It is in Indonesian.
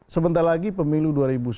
sebentar lagi pemilu dua ribu sembilan belas